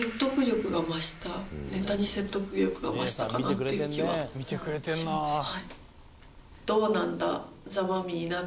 ネタに説得力が増したかなっていう気はします。